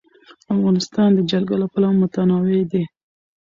افغانستان د جلګه له پلوه متنوع دی.